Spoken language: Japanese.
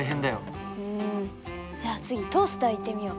じゃあ次トースターいってみよう。